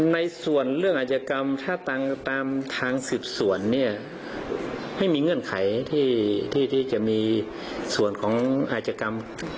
ในส่วนเรื่องอาจกรรมถ้าตามทางสืบสวนเนี่ยไม่มีเงื่อนไขที่จะมีส่วนของอาจกรรม